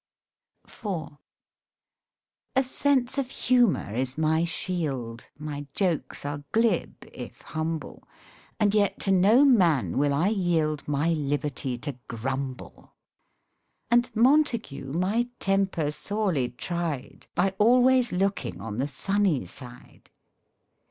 84 MEN I MIGHT HAVE MARRIED IV A SENSE of humour is my shield, My jokes are glib, if humble, And yet to no man will I yield My liberty to grumble ; And Montagu my temper sorely tried By always looking on the sunny side.